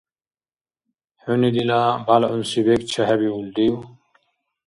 ХӀуни дила бялгӀунси бекӀ чехӀебиулрив?